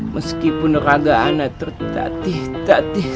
meskipun raga anak tertatih tatih